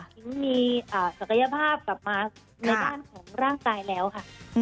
ถึงมีศักยภาพกลับมาในด้านของร่างกายแล้วค่ะ